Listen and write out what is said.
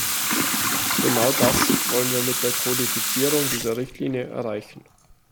Genau das wollen wir mit der Kodifizierung dieser Richtlinie erreichen.